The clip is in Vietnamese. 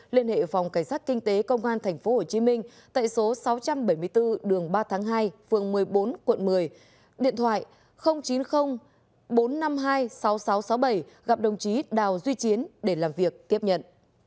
liên hệ phòng cảnh sát kinh tế công an tp hcm tại số sáu trăm bảy mươi bốn đường ba tháng hai phường một mươi bốn quận một mươi điện thoại chín mươi bốn trăm năm mươi hai sáu nghìn sáu trăm sáu mươi bảy gặp đồng chí đào duy chiến để làm việc tiếp nhận